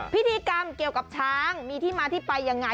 พิธีกรรมเกี่ยวกับช้างมีที่มาที่ไปยังไง